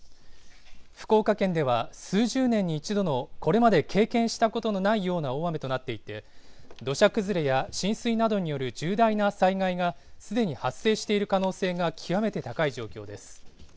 福岡県では数十年に一度のこれまで経験したことのないような大雨となっていて、土砂崩れや浸水などによる重大な災害がすでに発生している可能性が極めて高い状況です。